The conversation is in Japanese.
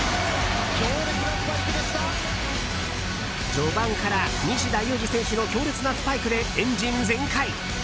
序盤から西田有志選手の強烈なスパイクでエンジン全開。